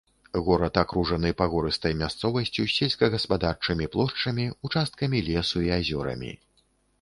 Горад акружаны пагорыстай мясцовасцю з сельскагаспадарчымі плошчамі, участкамі лесу і азёрамі.